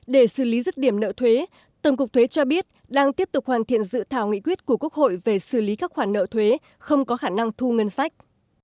để xử lý rứt điểm nợ thuế tổng cục thuế cho biết đang tiếp tục hoàn thiện dự thảo nghị quyết của quốc hội về xử lý các khoản nợ thuế không có khả năng thu ngân sách